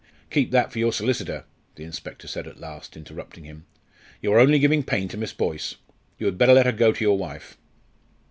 "Keep that for your solicitor," the inspector said at last, interrupting him; "you are only giving pain to Miss Boyce. You had better let her go to your wife."